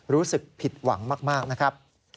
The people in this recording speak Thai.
รู้สึกผิดหวังมากนะครับ